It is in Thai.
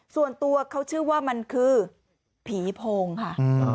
ส่วนตัวเขาชื่อว่ามันคือผีโพงค่ะ